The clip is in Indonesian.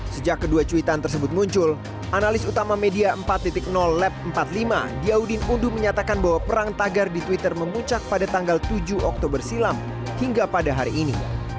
sejak kedua cuitan tersebut muncul analis utama media empat lab empat puluh lima diaudin undu menyatakan bahwa perang tagar di twitter memuncak pada tanggal tujuh oktober silam hingga pada hari ini